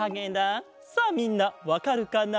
さあみんなわかるかな？